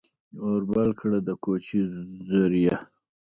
اور بل کړه ، د کوچي زریه !